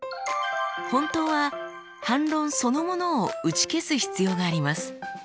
本当は反論そのものを打ち消す必要があります。